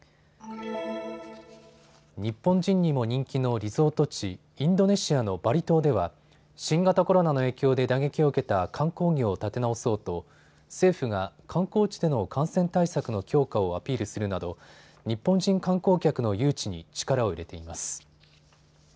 日本人にも人気のリゾート地、インドネシアのバリ島では新型コロナの影響で打撃を受けた観光業を立て直そうと政府が観光地での感染対策の強化をアピールするなど日本人観光客の誘致に力を入れています。